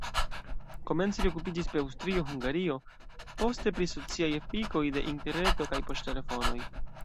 Komence li okupiĝis pri Aŭstrio-Hungario, poste pri sociaj efikoj de interreto kaj poŝtelefonoj.